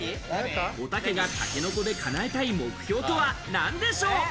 おたけが竹の子で叶えたい目標とは、一体なんでしょう？